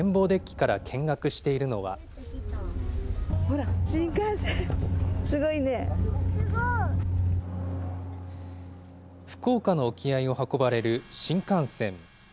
デッキから見学している福岡の沖合を運ばれる新幹線。